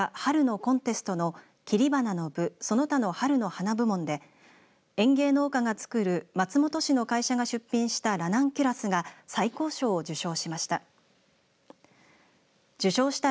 今月１２日に審査が行われた春のコンテストの切り花の部・その他の春の花部門で園芸農家が作る松本市の会社が出品したラナンキュラスが最高賞を受賞しました。